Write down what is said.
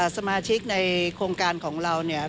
สมาชิกในโครงการของเราเนี่ย